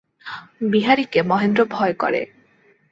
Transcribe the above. বিহারীকে মহেন্দ্র ভয় করে।